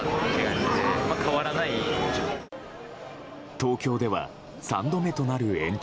東京では３度目となる延長。